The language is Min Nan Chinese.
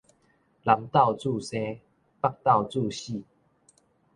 南斗註生，北斗註死